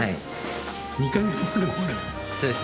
２回目もするんですか？